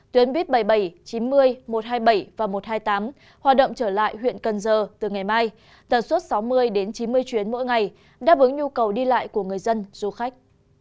tuyến buýt bảy mươi bảy chín mươi một trăm hai mươi bảy và một trăm hai mươi tám hoạt động trở lại huyện cần giờ từ ngày mai tần suất sáu mươi đến chín mươi chuyến mỗi ngày đáp ứng nhu cầu đi lại của người dân du khách